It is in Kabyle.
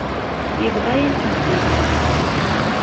Yebḍa-yam-tent-id.